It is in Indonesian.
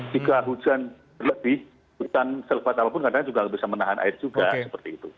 jika hujan berlebih hutan selebat apapun kadang juga bisa menahan air juga seperti itu